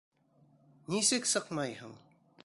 — Нисек сыҡмайһың?